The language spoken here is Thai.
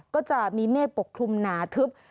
ก็จะมีเมฆปกคลุมหนาทึบ